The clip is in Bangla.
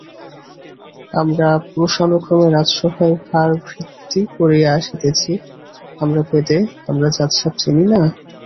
আমরা পুরুষানুক্রমে রাজসভায় ভাঁড়বৃত্তি করিয়া আসিতেছি, আমরা বেদে, আমরা জাত-সাপ চিনি না?